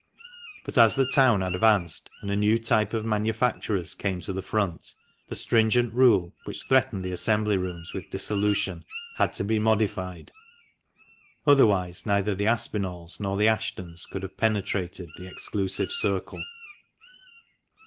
But as the town advanced, and a new type of manufacturers came to the Iront, the stringent rule, which threatened the Assembly Rooms with dissolution, had to be modified, otherwise neither the Aspinalls nor the Ashtons could have penetrated the exclusive circle.